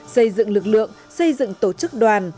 xây dựng lực lượng xây dựng tổ chức đoàn